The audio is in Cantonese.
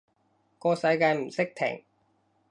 個世界唔識停